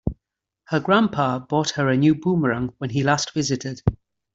Her grandpa bought her a new boomerang when he last visited.